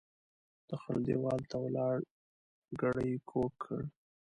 د خړ ديوال ته ولاړ ګړی کوږ کړ.